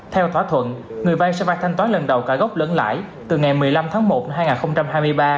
theo thỏa thuận người vay sẽ vay thanh toán lần đầu cả gốc lẫn lại từ ngày một mươi năm tháng một năm hai nghìn hai mươi ba